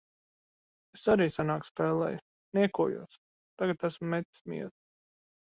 Es arī senāk spēlēju. Niekojos. Tagad esmu metis mieru.